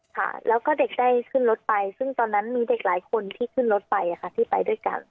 ค่ะแล้วก็เด็กได้ขึ้นรถไปซึ่งตอนนั้นมีเด็กหลายคนที่ขึ้นรถไปค่ะที่ไปด้วยกัน